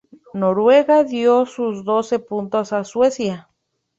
Noruega dio sus doce puntos a Suecia.